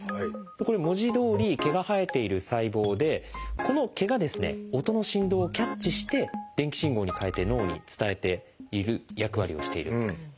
これ文字どおり毛が生えている細胞でこの毛が音の振動をキャッチして電気信号に変えて脳に伝えている役割をしているんです。